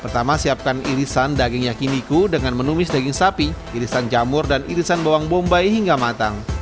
pertama siapkan irisan daging yakiniku dengan menumis daging sapi irisan jamur dan irisan bawang bombay hingga matang